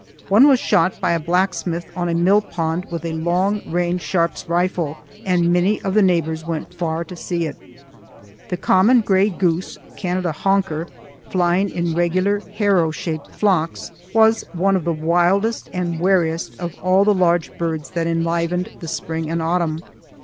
One was shot by a blacksmith on a millpond with a long range Sharp's rifle, and many of the neighbors went far to see it. The common gray goose, Canada honker, flying in regular harrow shaped flocks, was one of the wildest and wariest of all the large birds that enlivened the spring and autumn.